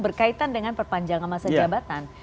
berkaitan dengan perpanjangan masa jabatan